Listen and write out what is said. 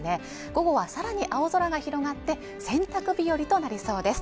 午後はさらに青空が広がって洗濯日和となりそうです